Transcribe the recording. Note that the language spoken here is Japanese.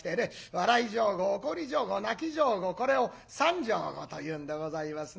笑い上戸怒り上戸泣き上戸これを三上戸というんでございますね。